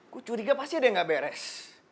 ku curiga pasti ada yang gak beres